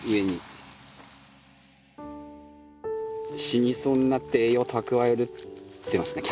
死にそうになって栄養蓄えてますね